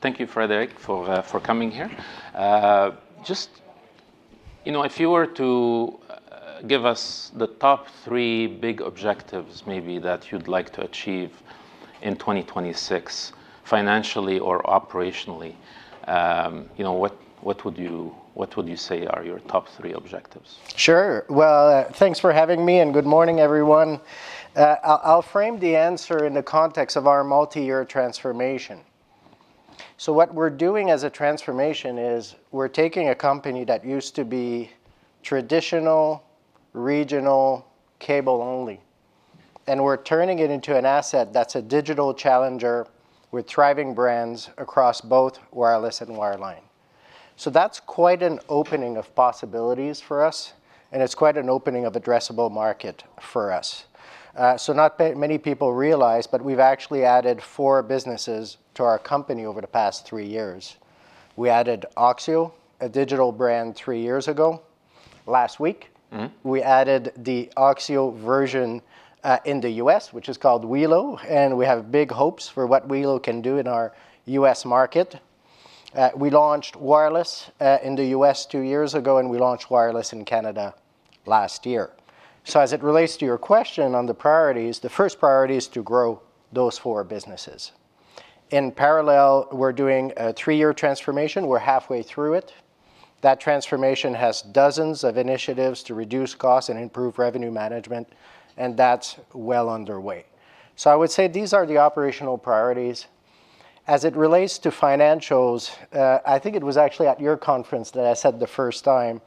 Thank you, Frédéric, for coming here. Sure. Just, you know, if you were to give us the top three big objectives maybe that you'd like to achieve in 2026 financially or operationally, you know, what would you say are your top three objectives? Well, thanks for having me, and good morning, everyone. I'll frame the answer in the context of our multi-year transformation. What we're doing as a transformation is we're taking a company that used to be traditional, regional cable only, and we're turning it into an asset that's a digital challenger with thriving brands across both wireless and wireline. That's quite an opening of possibilities for us, and it's quite an opening of addressable market for us. Not many people realize, but we've actually added four businesses to our company over the past three years. We added oxio, a digital brand, three years ago. Last week- Mm-hmm we added the oxio version in the U.S., which is called welo, and we have big hopes for what welo can do in our U.S. market. We launched wireless in the U.S. two years ago, and we launched wireless in Canada last year. As it relates to your question on the priorities, the first priority is to grow those four businesses. In parallel, we're doing a three-year transformation. We're halfway through it. That transformation has dozens of initiatives to reduce costs and improve revenue management, and that's well underway. I would say these are the operational priorities. As it relates to financials, I think it was actually at your conference that I said the first time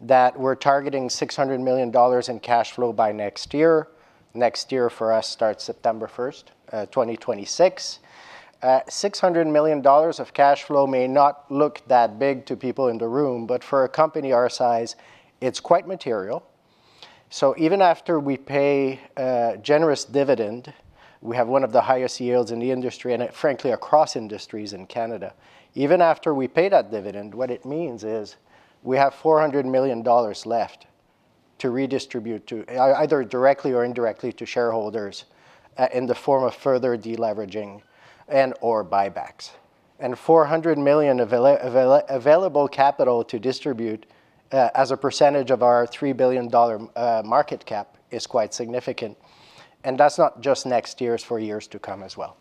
that we're targeting 600 million dollars in cash flow by next year. Next year for us starts 1 September 2026. 600 million dollars of cash flow may not look that big to people in the room, but for a company our size, it's quite material. Even after we pay a generous dividend, we have one of the highest yields in the industry, and frankly, across industries in Canada. Even after we pay that dividend, what it means is we have 400 million dollars left to redistribute to either directly or indirectly to shareholders in the form of further deleveraging and/or buybacks. 400 million available capital to distribute, as a percentage of our 3 billion dollar market cap is quite significant, and that's not just next year, it's for years to come as well.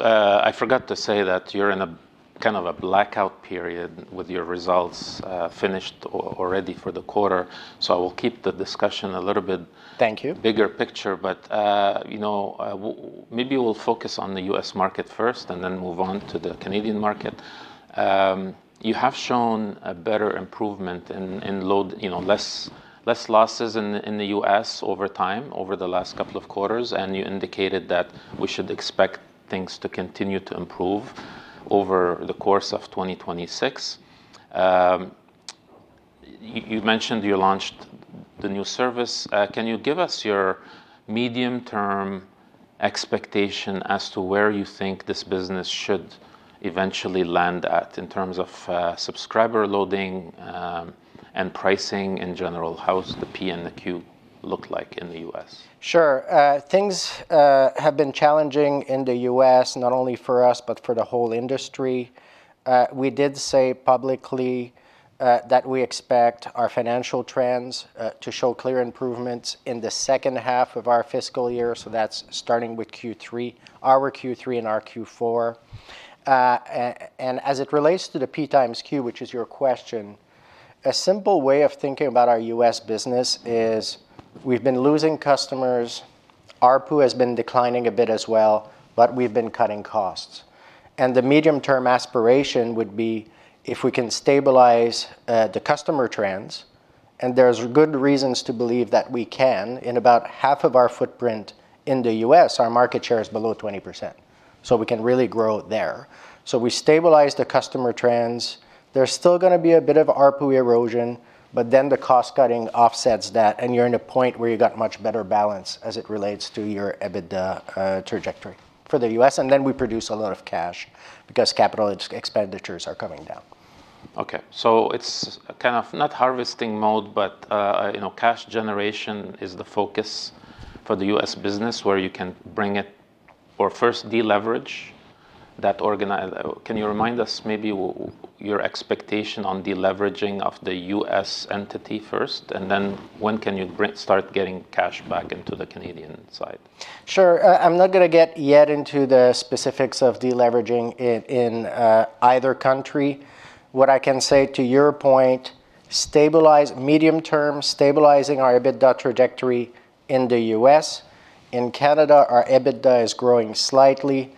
I forgot to say that you're in a, kind of a blackout period with your results, finished already for the quarter, I will keep the discussion a little bit... Thank you. bigger picture. You know, maybe we'll focus on the U.S. market first and then move on to the Canadian market. You have shown a better improvement in load, you know, less losses in the U.S. over time, over the last couple of quarters, and you indicated that we should expect things to continue to improve over the course of 2026. You mentioned you launched the new service. Can you give us your medium-term expectation as to where you think this business should eventually land at in terms of subscriber loading, and pricing in general? How's the P and the Q look like in the U.S.? Sure. Things have been challenging in the U.S. not only for us, but for the whole industry. We did say publicly that we expect our financial trends to show clear improvements in the second half of our fiscal year, so that's starting with Q3, our Q3 and our Q4. As it relates to the P x Q, which is your question, a simple way of thinking about our U.S. business is we've been losing customers, ARPU has been declining a bit as well, but we've been cutting costs. The medium-term aspiration would be if we can stabilize the customer trends, and there's good reasons to believe that we can. In about half of our footprint in the U.S., our market share is below 20%, so we can really grow there. We stabilize the customer trends. There's still gonna be a bit of ARPU erosion, but then the cost-cutting offsets that, and you're in a point where you got much better balance as it relates to your EBITDA, trajectory for the U.S.. We produce a lot of cash because capital expenditures are coming down. It's kind of not harvesting mode, but, you know, cash generation is the focus for the U.S. business where you can bring it or first deleverage that. Can you remind us maybe your expectation on deleveraging of the U.S. entity first, when can you start getting cash back into the Canadian side? Sure. I'm not gonna get yet into the specifics of deleveraging in either country. What I can say to your point, stabilize medium term, stabilizing our EBITDA trajectory in the U.S. In Canada, our EBITDA is growing slightly,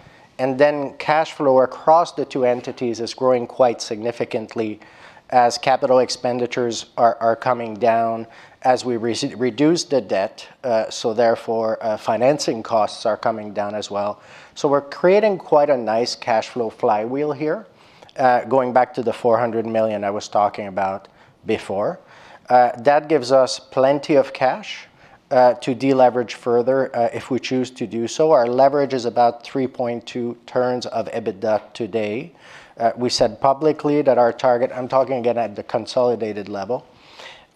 cash flow across the two entities is growing quite significantly as capital expenditures are coming down as we reduce the debt. Therefore, financing costs are coming down as well. We're creating quite a nice cash flow flywheel here, going back to the 400 million I was talking about before. That gives us plenty of cash to deleverage further if we choose to do so. Our leverage is about 3.2x of EBITDA today. We said publicly that our target-- I'm talking again at the consolidated level.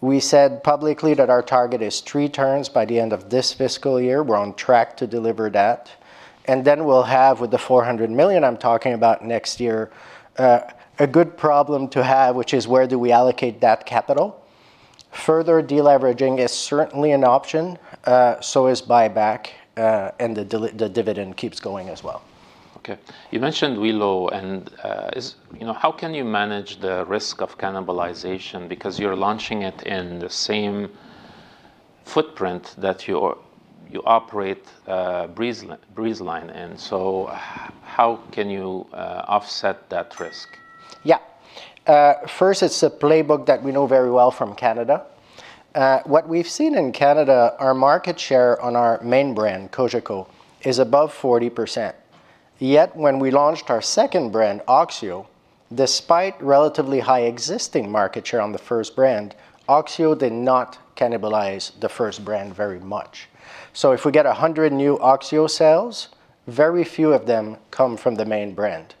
We said publicly that our target is 3x by the end of this fiscal year. We're on track to deliver that. Then we'll have, with the 400 million I'm talking about next year, a good problem to have, which is where do we allocate that capital? Further deleveraging is certainly an option. So is buyback. The dividend keeps going as well. Okay. You mentioned welo, and, you know, how can you manage the risk of cannibalization? You're launching it in the same footprint that you operate Breezeline in. How can you offset that risk? First, it's a playbook that we know very well from Canada. What we've seen in Canada, our market share on our main brand, Cogeco, is above 40%. Yet, when we launched our second brand, oxio, despite relatively high existing market share on the first brand, oxio did not cannibalize the first brand very much. If we get 100 new oxio sales, very few of them come from the main brand.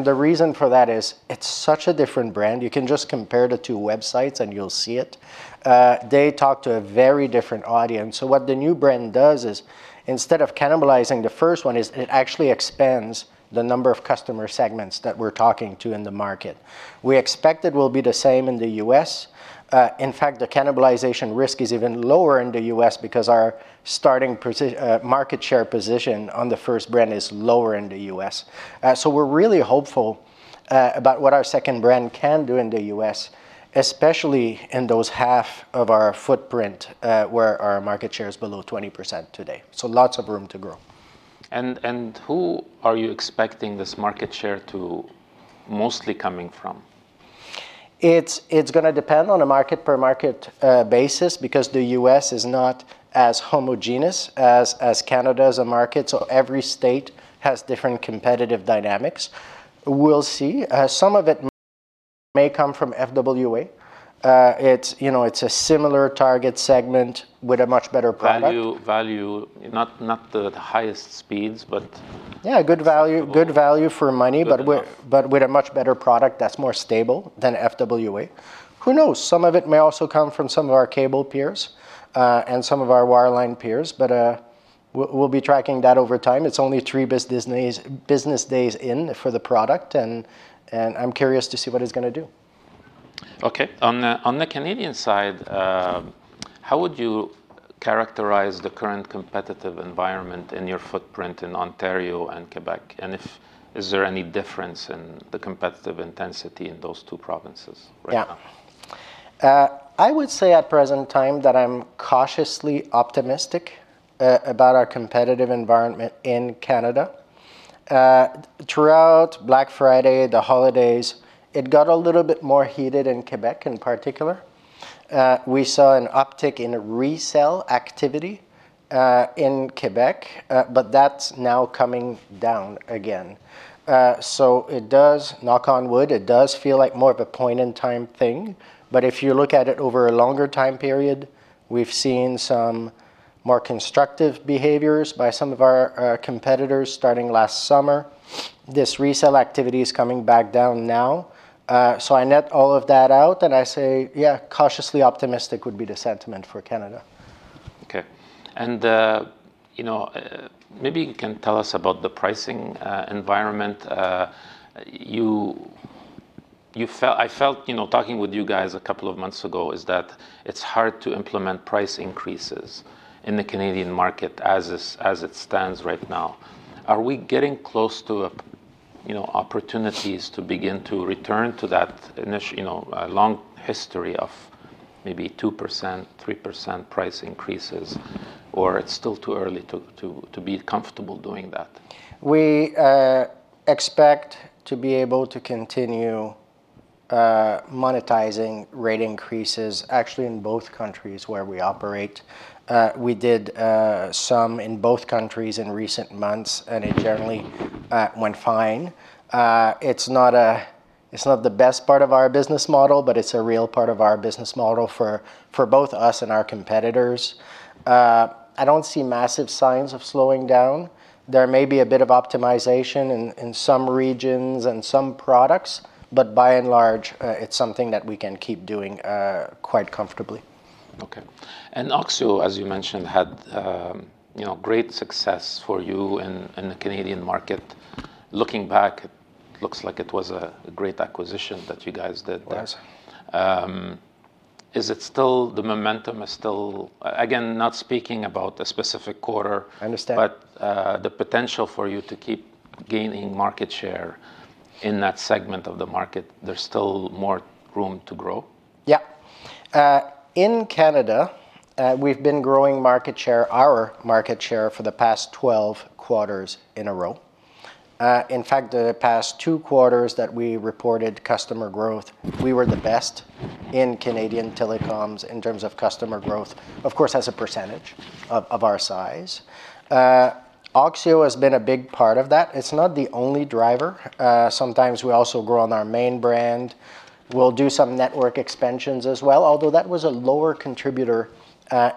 The reason for that is, it's such a different brand. You can just compare the two websites and you'll see it. They talk to a very different audience. What the new brand does is, instead of cannibalizing the first one, is it actually expands the number of customer segments that we're talking to in the market. We expect it will be the same in the U.S.. In fact, the cannibalization risk is even lower in the U.S. because our starting market share position on the first brand is lower in the U.S.. We're really hopeful about what our second brand can do in the U.S., especially in those half of our footprint, where our market share is below 20% today. Lots of room to grow. Who are you expecting this market share to mostly coming from? It's gonna depend on a market per market basis because the U.S. is not as homogenous as Canada as a market. Every state has different competitive dynamics. We'll see. Some of it may come from FWA. It's, you know, it's a similar target segment with a much better product. Value. Not the highest speeds. Yeah, good value... Similar good value for money, but Good enough. With a much better product that's more stable than FWA. Who knows? Some of it may also come from some of our cable peers, and some of our wireline peers. We'll be tracking that over time. It's only three business days in for the product, and I'm curious to see what it's gonna do. Okay. On the Canadian side, how would you characterize the current competitive environment in your footprint in Ontario and Quebec? Is there any difference in the competitive intensity in those two provinces right now? Yeah. I would say at present time that I'm cautiously optimistic about our competitive environment in Canada. Throughout Black Friday, the holidays, it got a little bit more heated in Quebec in particular. We saw an uptick in resell activity in Quebec, but that's now coming down again. It does, knock on wood, it does feel like more of a point in time thing. But if you look at it over a longer time period, we've seen some more constructive behaviors by some of our competitors starting last summer. This resell activity is coming back down now. I net all of that out and I say, yeah, cautiously optimistic would be the sentiment for Canada. Okay. You know, maybe you can tell us about the pricing environment. I felt, you know, talking with you guys a couple of months ago, is that it's hard to implement price increases in the Canadian market as is, as it stands right now. Are we getting close to, you know, opportunities to begin to return to that, you know, long history of maybe 2% - 3% price increases, or it's still too early to be comfortable doing that? We expect to be able to continue monetizing rate increases actually in both countries where we operate. We did some in both countries in recent months, and it generally went fine. It's not a, it's not the best part of our business model, but it's a real part of our business model for both us and our competitors. I don't see massive signs of slowing down. There may be a bit of optimization in some regions and some products, but by and large, it's something that we can keep doing quite comfortably. Okay. oxio, as you mentioned, had, you know, great success for you in the Canadian market. Looking back, it looks like it was a great acquisition that you guys did there. It was. is it still, the momentum is still... again, not speaking about a specific quarter- I understand. the potential for you to keep gaining market share in that segment of the market, there's still more room to grow? Yeah. In Canada, we've been growing market share, our market share, for the past 12 quarters in a row. In fact, the past two quarters that we reported customer growth, we were the best in Canadian telecoms in terms of customer growth, of course, as a percentage of our size. oxio has been a big part of that. It's not the only driver. Sometimes we also grow on our main brand. We'll do some network expansions as well, although that was a lower contributor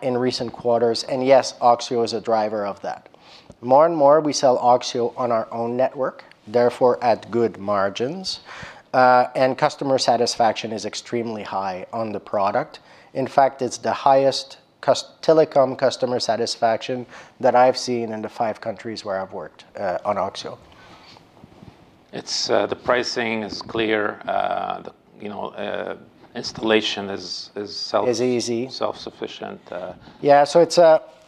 in recent quarters. Yes, oxio is a driver of that. More and more, we sell oxio on our own network, therefore at good margins. Customer satisfaction is extremely high on the product. In fact, it's the highest telecom customer satisfaction that I've seen in the five countries where I've worked on oxio. It's, the pricing is clear. The, you know, installation is self- Is easy. self-sufficient.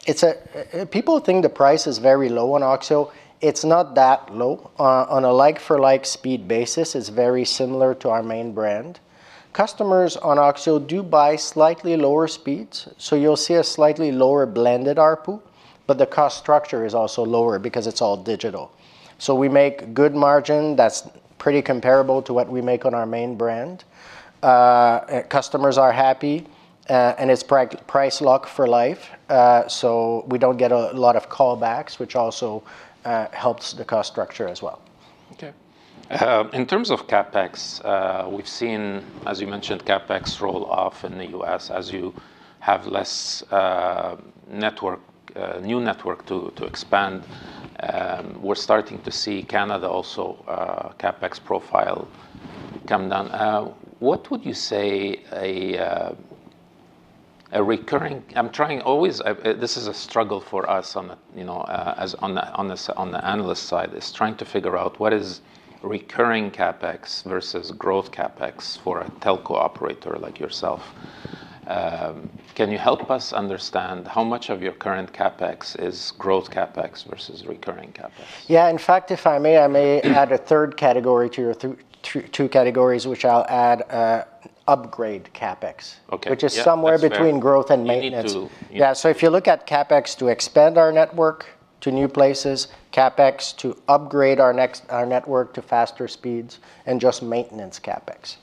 It's people think the price is very low on oxio. It's not that low. On a like for like speed basis, it's very similar to our main brand. Customers on oxio do buy slightly lower speeds, you'll see a slightly lower blended ARPU, the cost structure is also lower because it's all digital. We make good margin that's pretty comparable to what we make on our main brand. Customers are happy, it's price lock for life, we don't get a lot of callbacks, which also helps the cost structure as well. In terms of CapEx, we've seen, as you mentioned, CapEx roll off in the U.S. as you have less network, new network to expand. We're starting to see Canada also CapEx profile come down. This is a struggle for us on the, you know, as on the analyst side is trying to figure out what is recurring CapEx versus growth CapEx for a telco operator like yourself. Can you help us understand how much of your current CapEx is growth CapEx versus recurring CapEx? Yeah. In fact, if I may, I may add a third category to your two categories, which I'll add, upgrade CapEx- Okay. Yeah. which is somewhere between growth and maintenance. You need to... Yeah. If you look at CapEx to expand our network to new places, CapEx to upgrade our network to faster speeds, and just maintenance CapEx.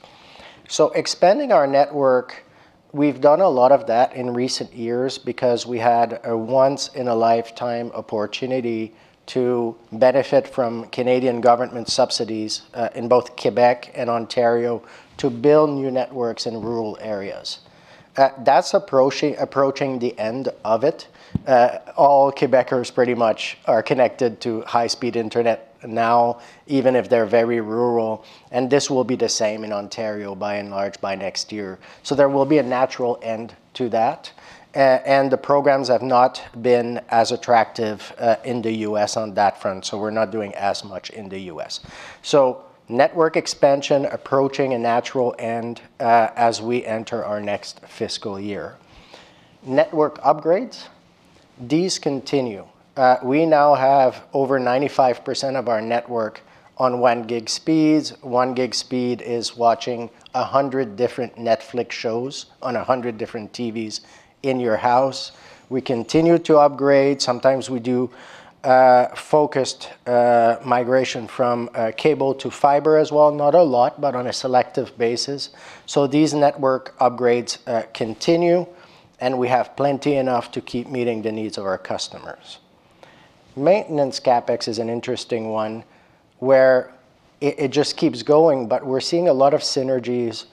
Expanding our network, we've done a lot of that in recent years because we had a once in a lifetime opportunity to benefit from Canadian government subsidies in both Quebec and Ontario to build new networks in rural areas. That's approaching the end of it. All Quebecers pretty much are connected to high speed internet now, even if they're very rural, and this will be the same in Ontario by and large by next year. There will be a natural end to that. The programs have not been as attractive in the U.S. on that front, so we're not doing as much in the U.S. Network expansion approaching a natural end as we enter our next fiscal year. Network upgrades, these continue. We now have over 95% of our network on 1 gig speeds. 1 gig speed is watching 100 different Netflix shows on 100 different TVs in your house. We continue to upgrade. Sometimes we do focused migration from cable to fiber as well, not a lot, but on a selective basis. These network upgrades continue, and we have plenty enough to keep meeting the needs of our customers. Maintenance CapEx is an interesting one, where it just keeps going, but we're seeing a lot of synergies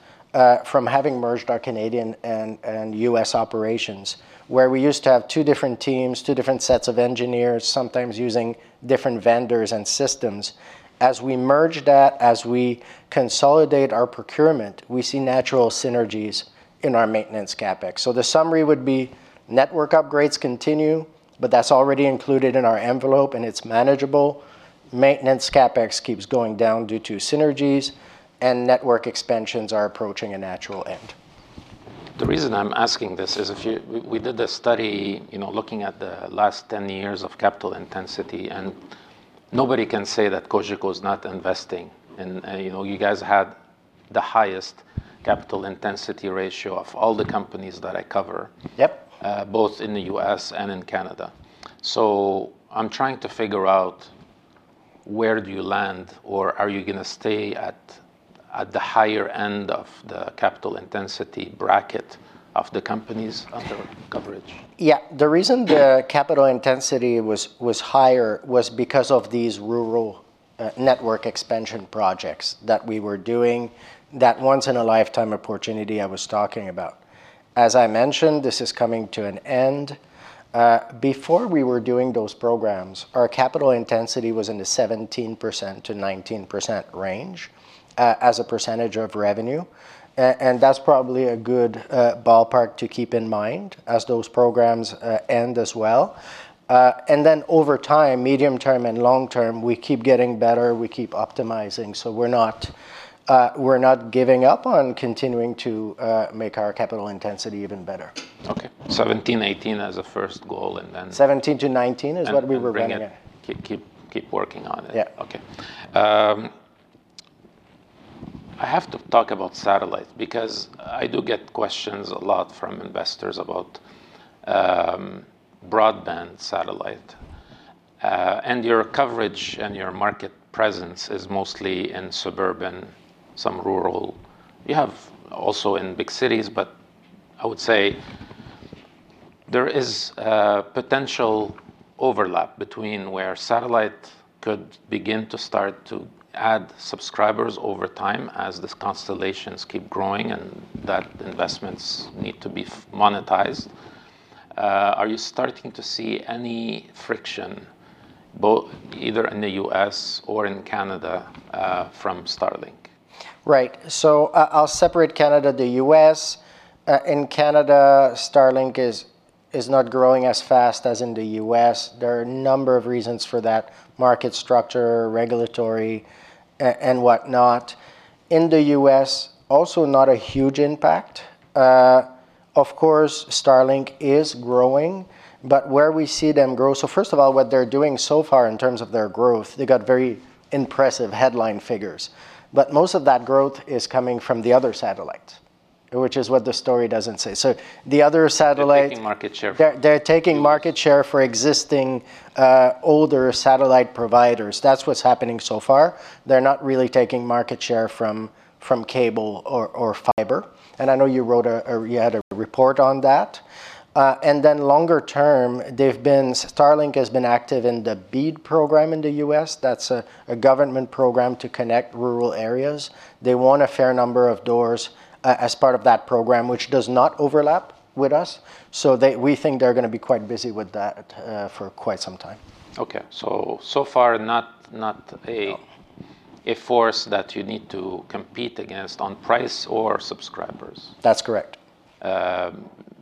from having merged our Canadian and U.S. operations, where we used to have two different teams, two different sets of engineers, sometimes using different vendors and systems. As we merge that, as we consolidate our procurement, we see natural synergies in our maintenance CapEx. The summary would be network upgrades continue, but that's already included in our envelope and it's manageable. Maintenance CapEx keeps going down due to synergies, and network expansions are approaching a natural end. The reason I'm asking this is if you. We did a study, you know, looking at the last 10 years of capital intensity. Nobody can say that Cogeco is not investing. You know, you guys had the highest capital intensity ratio of all the companies that I cover. Yep both in the U.S. and in Canada. I'm trying to figure out where do you land or are you gonna stay at the higher end of the capital intensity bracket of the companies under coverage? The reason the capital intensity was higher was because of these rural network expansion projects that we were doing, that once in a lifetime opportunity I was talking about. As I mentioned, this is coming to an end. Before we were doing those programs, our capital intensity was in the 17%-19% range as a percentage of revenue. That's probably a good ballpark to keep in mind as those programs end as well. Over time, medium term and long term, we keep getting better, we keep optimizing, so we're not we're not giving up on continuing to make our capital intensity even better. Okay. 17%-18% as a first goal and then- 17%-19% is what we were running at. and bring it. Keep working on it. Yeah. Okay. I have to talk about satellite because I do get questions a lot from investors about broadband satellite. Your coverage and your market presence is mostly in suburban, some rural. You have also in big cities, but I would say there is potential overlap between where satellite could begin to start to add subscribers over time as these constellations keep growing and that investments need to be monetized. Are you starting to see any friction, both either in the U.S. or in Canada, from Starlink? Right. I'll separate Canada. The U.S., in Canada Starlink is not growing as fast as in the U.S. There are a number of reasons for that: market structure, regulatory and whatnot. In the U.S., also not a huge impact. Of course, Starlink is growing, where we see them grow... First of all, what they're doing so far in terms of their growth, they've got very impressive headline figures. Most of that growth is coming from the other satellites, which is what the story doesn't say. The other satellite- They're taking market share. They're taking market share for existing older satellite providers. That's what's happening so far. They're not really taking market share from cable or fiber, and I know you wrote a report on that. Then longer term, Starlink has been active in the BEAD program in the U.S. That's a government program to connect rural areas. They won a fair number of doors as part of that program, which does not overlap with us, so we think they're gonna be quite busy with that for quite some time. Okay, so far not. No a force that you need to compete against on price or subscribers. That's correct.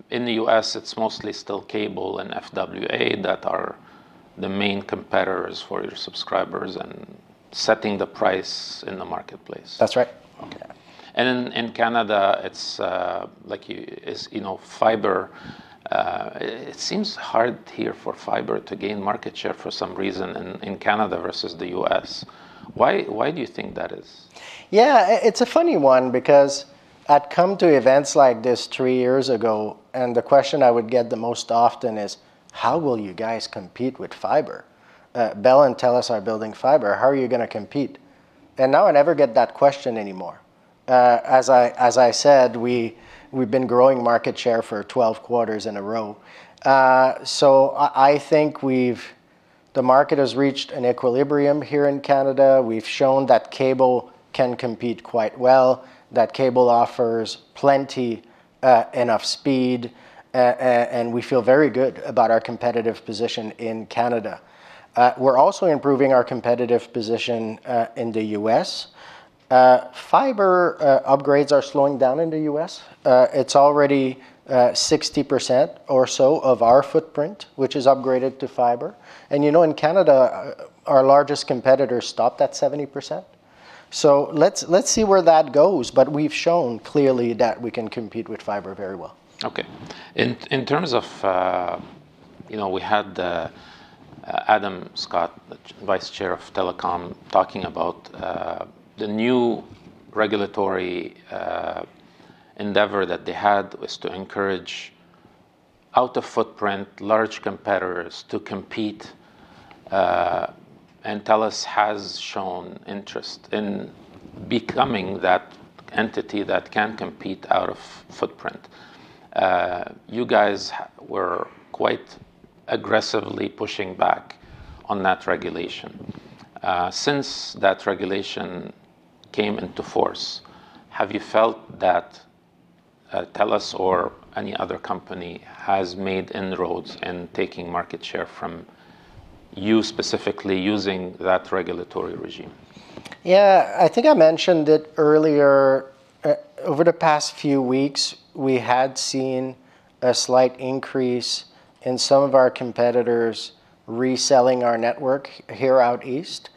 In the U.S., it's mostly still cable and FWA that are the main competitors for your subscribers and setting the price in the marketplace. That's right. Okay. In Canada, it's like, you know, fiber, it seems hard here for fiber to gain market share for some reason in Canada versus the U.S. Why do you think that is? Yeah. It's a funny one because I'd come to events like this three years ago, and the question I would get the most often is, "How will you guys compete with fiber? Bell and TELUS are building fiber. How are you gonna compete?" Now I never get that question anymore. As I said, we've been growing market share for 12 quarters in a row. I think we've. The market has reached an equilibrium here in Canada. We've shown that cable can compete quite well, that cable offers plenty, enough speed, and we feel very good about our competitive position in Canada. We're also improving our competitive position in the U.S., Fiber upgrades are slowing down in the U.S. It's already 60% or so of our footprint which is upgraded to fiber. You know, in Canada our largest competitor stopped at 70%. Let's see where that goes. We've shown clearly that we can compete with fiber very well. In terms of, you know, we had Ian Scott, the vice chair of Telecom, talking about the new regulatory endeavor that they had, was to encourage out of footprint large competitors to compete, and TELUS has shown interest in becoming that entity that can compete out of footprint. You guys were quite aggressively pushing back on that regulation. Since that regulation came into force, have you felt that TELUS or any other company has made inroads in taking market share from you specifically using that regulatory regime? I think I mentioned it earlier. Over the past few weeks we had seen a slight increase in some of our competitors reselling our network here out east.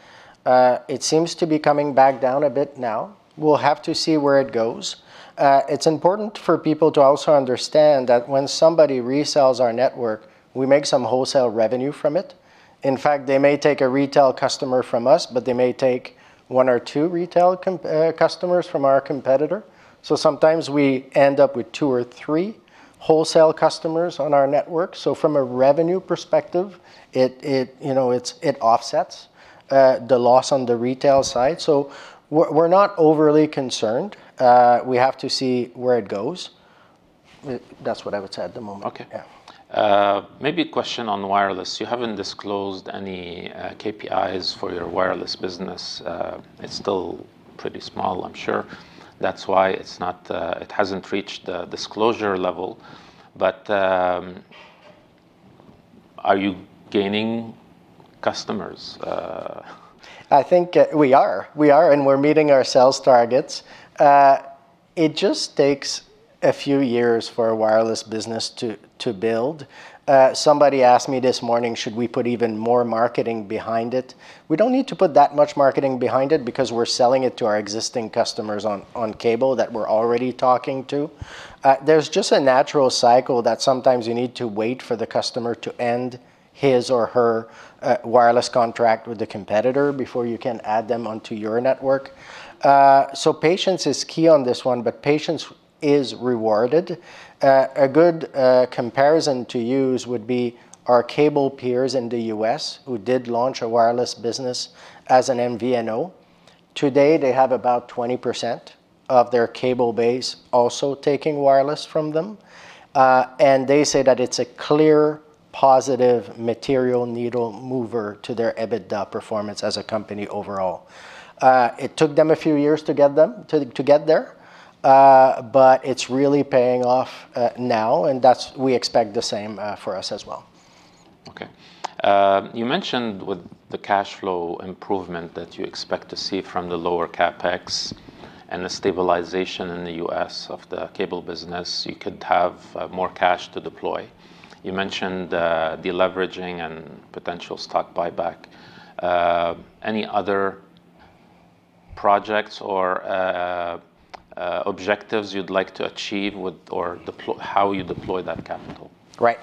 It seems to be coming back down a bit now. We'll have to see where it goes. It's important for people to also understand that when somebody resells our network, we make some wholesale revenue from it. In fact, they may take a retail customer from us, but they may take one or two retail customers from our competitor. Sometimes we end up with two or three wholesale customers on our network. From a revenue perspective, you know, it offsets the loss on the retail side. We're not overly concerned. We have to see where it goes. That's what I would say at the moment. Okay. Yeah. Maybe a question on wireless. You haven't disclosed any KPIs for your wireless business. It's still pretty small, I'm sure. That's why it's not, it hasn't reached the disclosure level. Are you gaining customers? I think, we are. We are, and we're meeting our sales targets. It just takes a few years for a wireless business to build. Somebody asked me this morning, should we put even more marketing behind it? We don't need to put that much marketing behind it, because we're selling it to our existing customers on cable that we're already talking to. There's just a natural cycle that sometimes you need to wait for the customer to end his or her wireless contract with the competitor before you can add them onto your network. Patience is key on this one, but patience is rewarded. A good comparison to use would be our cable peers in the U.S. who did launch a wireless business as an MVNO. Today, they have about 20% of their cable base also taking wireless from them. They say that it's a clear, positive, material needle-mover to their EBITDA performance as a company overall. It took them a few years to get there. It's really paying off now. That's. We expect the same for us as well. Okay. You mentioned with the cashflow improvement that you expect to see from the lower CapEx and the stabilization in the U.S. of the cable business, you could have more cash to deploy. You mentioned deleveraging and potential stock buyback. Any other projects or objectives you'd like to achieve with or deploy how you deploy that capital? Right.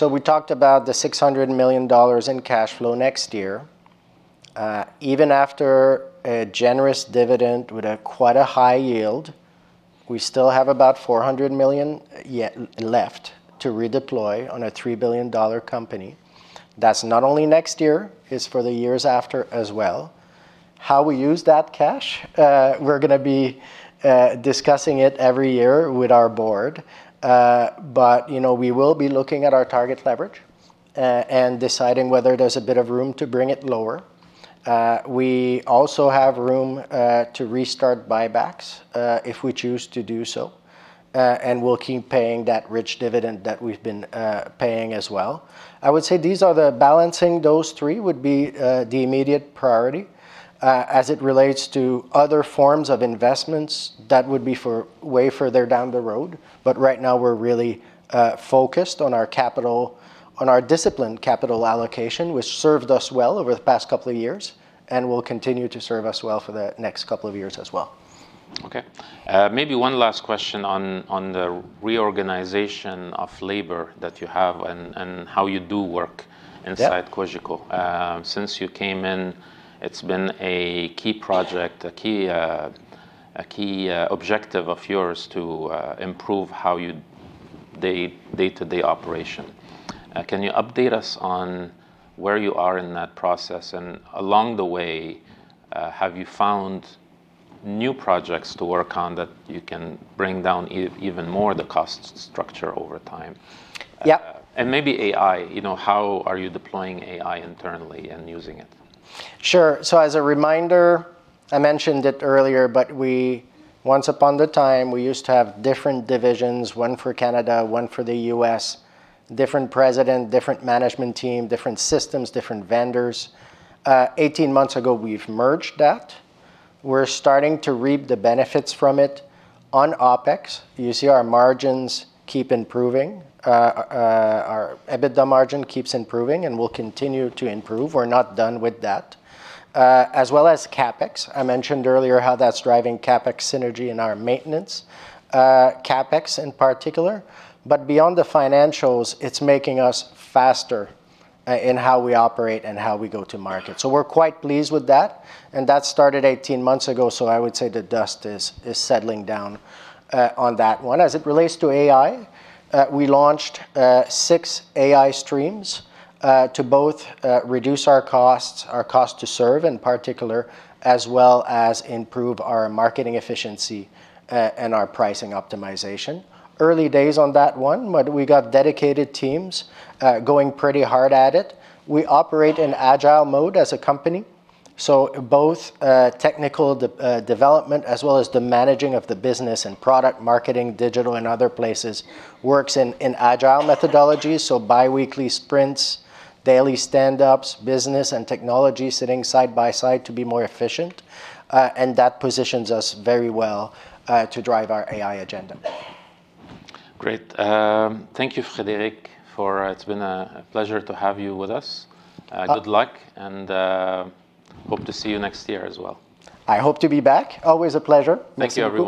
We talked about the $600 million in cashflow next year. Even after a generous dividend with a quite a high yield, we still have about $400 million left to redeploy on a $3 billion company. That's not only next year, it's for the years after as well. How we use that cash, we're gonna be discussing it every year with our board. You know, we will be looking at our target leverage, and deciding whether there's a bit of room to bring it lower. We also have room to restart buybacks, if we choose to do so. We'll keep paying that rich dividend that we've been paying as well. Balancing those three would be the immediate priority. As it relates to other forms of investments, that would be for way further down the road. Right now we're really focused on our capital, on our disciplined capital allocation, which served us well over the past couple of years and will continue to serve us well for the next couple of years as well. Okay. maybe one last question on the reorganization of labor that you have and how you do. Yeah inside Cogeco. Since you came in, it's been a key project, a key, a key objective of yours to improve how you the day-to-day operation. Can you update us on where you are in that process? Along the way, have you found new projects to work on that you can bring down even more the cost structure over time? Yeah. Maybe AI, you know, how are you deploying AI internally and using it? Sure. As a reminder, I mentioned it earlier, but we, once upon a time, we used to have different divisions, one for Canada, one for the U.S., different president, different management team, different systems, different vendors. 18 months ago, we've merged that. We're starting to reap the benefits from it. On OpEx, you see our margins keep improving. Our EBITDA margin keeps improving and will continue to improve. We're not done with that. As well as CapEx, I mentioned earlier how that's driving CapEx synergy in our maintenance CapEx in particular. Beyond the financials, it's making us faster in how we operate and how we go to market. We're quite pleased with that. That started 18 months ago, so I would say the dust is settling down on that one. As it relates to AI, we launched six AI streams to both reduce our costs, our cost to serve in particular, as well as improve our marketing efficiency and our pricing optimization. Early days on that one, we got dedicated teams going pretty hard at it. We operate in Agile mode as a company, so both technical development as well as the managing of the business and product marketing, digital and other places, works in Agile methodology, so bi-weekly sprints, daily stand-ups, business and technology sitting side by side to be more efficient, and that positions us very well to drive our AI agenda. Great. Thank you, Frédéric. It's been a pleasure to have you with us. Oh- Good luck and hope to see you next year as well. I hope to be back. Always a pleasure. Thanks, everybody.